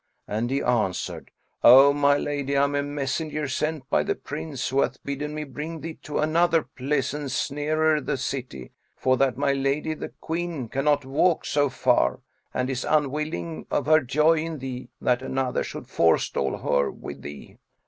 and he answered, "O my lady, I am a messenger sent by the Prince who hath bidden me bring thee to another pleasance nearer the city; for that my lady the Queen cannot walk so far and is unwilling, of her joy in thee, that another should forestall her with thee."